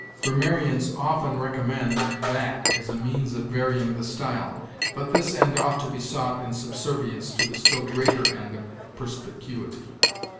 '_ Grammarians often recommend 'that' as a means of varying the style; but this end ought to be sought in subservience to the still greater end of perspicuity.